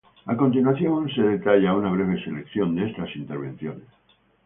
A continuación se detalla una breve selección de estas intervenciones.